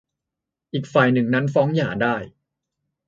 อีกฝ่ายหนึ่งนั้นฟ้องหย่าได้